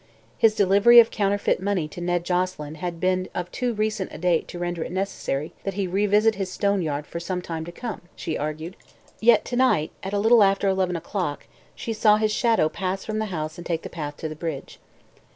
His delivery of counterfeit money to Ned Joselyn had been of too recent a date to render it necessary that he revisit his stone yard for some time to come, she argued; yet to night, at a little after eleven o'clock, she saw his shadow pass from the house and take the path to the bridge.